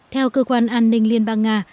theo cơ quan an ninh liên bang nga